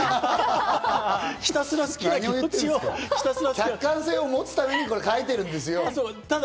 ひたすら好きな客観性を持つために書いてるんですよ。